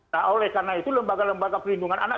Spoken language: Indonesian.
nah oleh karena itu lembaga lembaga perlindungan anak